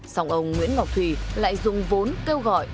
xong ông nguyễn ngọc thùy lại dùng vốn kêu gọi